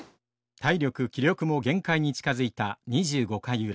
体力気力も限界に近づいた２５回裏。